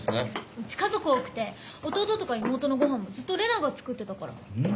うち家族多くて弟とか妹のご飯もずっと麗奈が作ってたから。